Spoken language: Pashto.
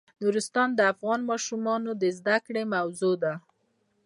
نورستان د افغان ماشومانو د زده کړې موضوع ده.